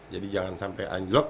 jadi jangan sampai anjlok